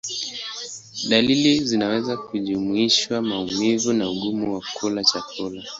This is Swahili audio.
Dalili zinaweza kujumuisha maumivu na ugumu wa kula chakula.